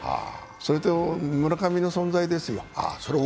それと村上の存在ですよ。